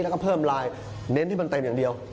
แล้วก็เพิ่มลายเน้นที่มันเต็มอย่างเดียว